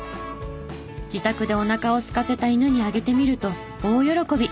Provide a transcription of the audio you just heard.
自宅でおなかをすかせた犬にあげてみると大喜び。